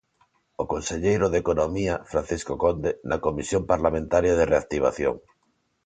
O conselleiro de Economía, Francisco Conde, na comisión parlamentaria de Reactivación.